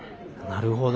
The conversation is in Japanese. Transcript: なるほど。